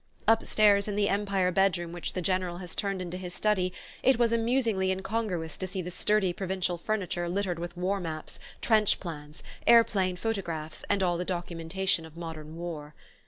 Upstairs, in the Empire bedroom which the General has turned into his study, it was amusingly incongruous to see the sturdy provincial furniture littered with war maps, trench plans, aeroplane photographs and all the documentation of modern war.